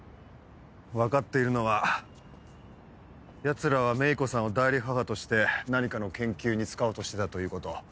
分かっているのはヤツらは芽衣子さんを代理母として何かの研究に使おうとしてたということ。